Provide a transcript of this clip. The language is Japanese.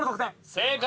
正解。